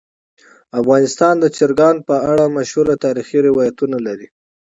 افغانستان د چرګان په اړه مشهور تاریخی روایتونه لري.